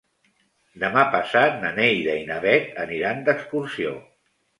Demà passat na Neida i na Bet aniran d'excursió.